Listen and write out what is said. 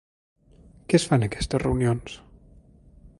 Què es fa en aquestes reunions?